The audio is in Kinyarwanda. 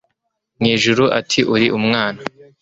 mu ijuru ati uri umwana